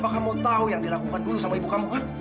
apa kamu tahu yang dilakukan dulu sama ibu kamu